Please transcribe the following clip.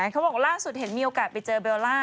เขาบอกล่าสุดเห็นมีโอกาสไปเจอเบลล่า